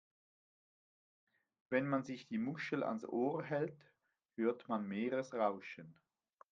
Wenn man sich die Muschel ans Ohr hält, hört man Meeresrauschen.